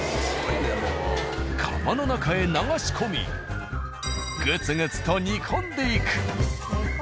釜の中へ流し込みグツグツと煮込んでいく。